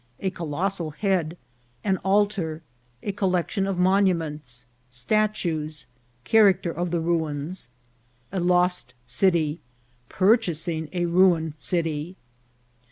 — A Colossal Head. — An Altar. — A Collection of Monuments. — Statues. — Charac ter of the Ruins. — A lost City.— Purchasing a ruined City.